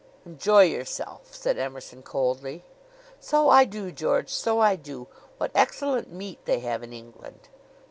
"Enjoy yourself!" said Emerson coldly. "So I do, George; so I do. What excellent meat they have in England!"